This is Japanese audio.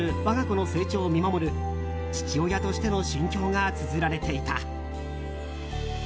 我が子の成長を見守る父親としての心境がつづられていた。